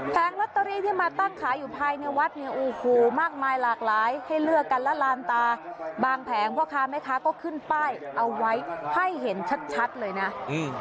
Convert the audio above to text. ลอตเตอรี่ที่มาตั้งขายอยู่ภายในวัดเนี่ยโอ้โหมากมายหลากหลายให้เลือกกันและลานตาบางแผงพ่อค้าแม่ค้าก็ขึ้นป้ายเอาไว้ให้เห็นชัดชัดเลยนะอืม